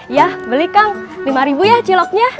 iya beli kang lima ribu ya ciloknya